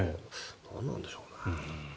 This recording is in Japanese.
何なんでしょうね。